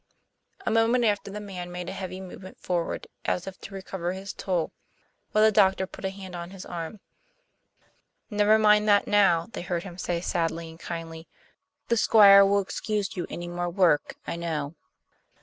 A moment after the man made a heavy movement forward, as if to recover his tool; but the doctor put a hand on his arm. "Never mind that now," they heard him say sadly and kindly. "The Squire will excuse you any more work, I know."